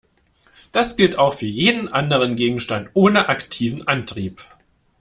Das gilt auch für jeden anderen Gegenstand ohne aktiven Antrieb.